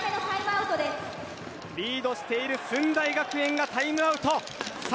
リードしている駿台学園がタイムアウト。